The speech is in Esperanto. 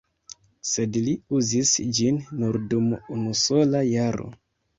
Sed li uzis ĝin nur dum unusola jaro.